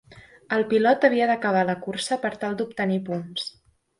El pilot havia d'acabar la cursa per tal d'obtenir punts.